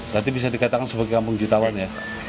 berarti bisa dikatakan sebagai kampung jutawan ya